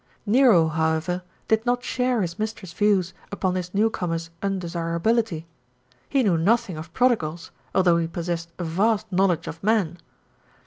Nero, however, did not share his mistress' views upon this newcomer's undesirability. He knew nothing of prodigals, although he possessed a vast knowledge of men.